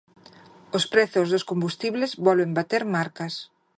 O prezos dos combustibles volven bater marcas.